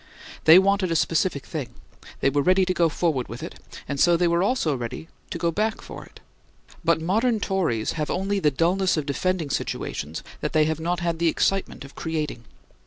They wanted a specific thing; they were ready to go forward for it, and so they were also ready to go back for it. But modern Tories have only the dullness of defending situations that they had not the excitement of creating.